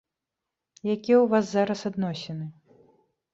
Якія ў вас зараз адносіны?